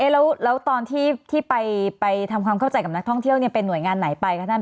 แล้วตอนที่ไปทำความเข้าใจกับนักท่องเที่ยวเป็นหน่วยงานไหนไปคะท่าน